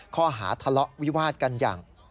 ข้อหาทะเลาะวิวาดกันอย่าง